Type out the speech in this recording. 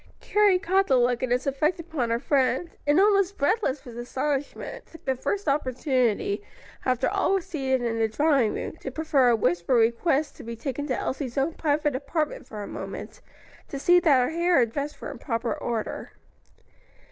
Carrie caught the look and its effect upon her friend, and almost breathless with astonishment, took the first opportunity, after all were seated in the drawing room, to prefer a whispered request to be taken to Elsie's own private apartment for a moment, to see that her hair and dress were in proper order.